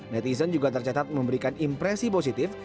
netizen juga tercatat memberikan impresi positif